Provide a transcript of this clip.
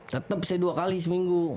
tetap saya dua kali seminggu